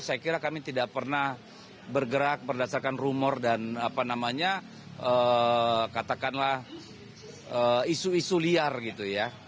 saya kira kami tidak pernah bergerak berdasarkan rumor dan apa namanya katakanlah isu isu liar gitu ya